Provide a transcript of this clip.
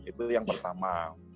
itu yang pertama